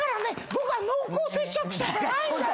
僕は濃厚接触者じゃないんだよ」